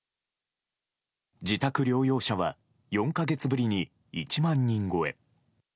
自宅療養者は４か月ぶりに１万人超え。